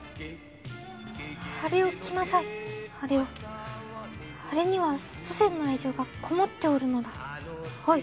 あれを着なさいあれをあれには祖先の愛情がこもっておるのだおい